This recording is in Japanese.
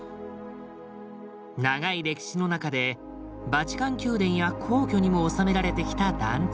長い歴史の中でバチカン宮殿や皇居にも納められてきた緞通。